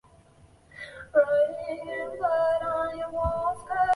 此系列路线一直以车队残旧和司机态度恶劣作为垢病。